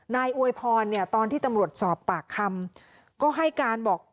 อวยพรเนี่ยตอนที่ตำรวจสอบปากคำก็ให้การบอก